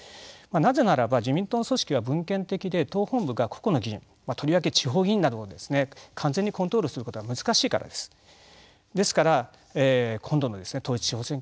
なぜならば、自民党の組織は分権的で党本部から個々の議員がとりわけ地方議員などを完全にコントロールすることは難しいからです。